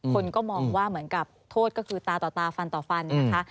คนก็มองว่าเหมือนกับโทษก็คือตาต่อตาฟันต่อฟันนะคะ